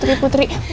putri putri putri